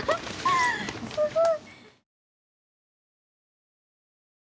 すごい。